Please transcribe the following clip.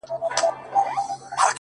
خپه په دې یم چي زه مرم ته به خوشحاله یې;